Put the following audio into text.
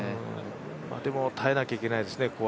でも耐えなきゃいけないですね